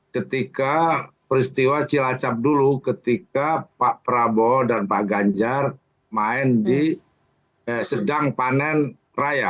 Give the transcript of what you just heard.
ketika peristiwa cilacap dulu ketika pak prabowo dan pak ganjar main di sedang panen raya